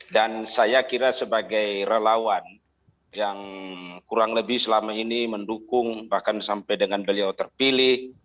dan saya kira sebagai relawan yang kurang lebih selama ini mendukung bahkan sampai dengan beliau terpilih